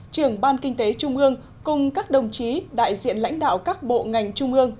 trưởng ban kinh tế trung ương cùng các đồng chí đại diện lãnh đạo các bộ ngành trung ương